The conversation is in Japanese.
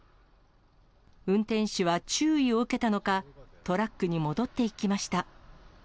運転手は注意を受けたのか、トラックに戻っていきました。